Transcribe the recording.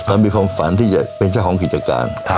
มีความฝันที่จะเป็นเจ้าของกิจการ